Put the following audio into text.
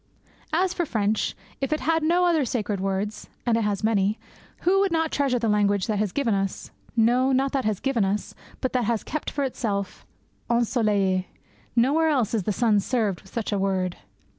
As for French, if it had no other sacred words and it has many who would not treasure the language that has given us no, not that has given us, but that has kept for its own ensoleille? Nowhere else is the sun served with such a word.